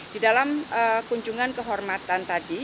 di dalam kunjungan kehormatan tadi